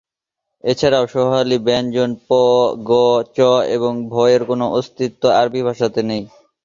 এছাড়াও সোয়াহিলি ব্যঞ্জন প, গ, চ, এবং ভ-এর কোন অস্তিত্ব আরবি ভাষাতে নেই।